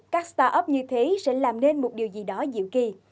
các start up như thế sẽ làm nên một điều gì đó diệu kỳ